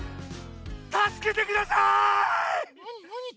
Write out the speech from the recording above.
たすけてください！